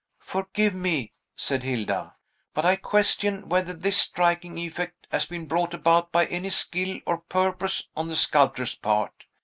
"Forgive me," said Hilda, "but I question whether this striking effect has been brought about by any skill or purpose on the sculptor's part.